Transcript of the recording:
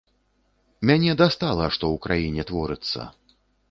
Мяне дастала, што ў краіне творыцца.